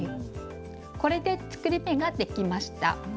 これで作り目ができました。